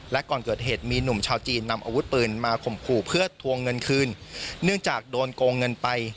และก่อนเกิดเหตุมีหนุ่มชาวจีนนำอาวุธปืนมาข่มขู่เพื่อทวงเงินคืนเนื่องจากโดนโกงเงินไป